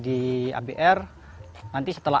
di abr nanti setelah